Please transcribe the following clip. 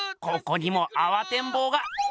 ここにもあわてんぼうが。